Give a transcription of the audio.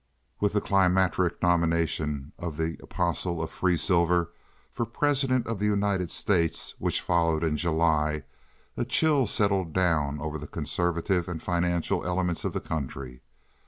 With the climacteric nomination of the "Apostle of Free Silver" for President of the United States, which followed in July, a chill settled down over the conservative and financial elements of the country.